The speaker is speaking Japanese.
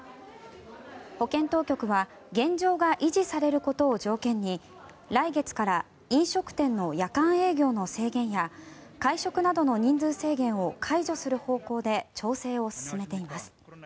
保健当局は現状が維持されることを条件に来月から飲食店の夜間営業の制限や会食などの人数制限を解除する方向で調整を進めています。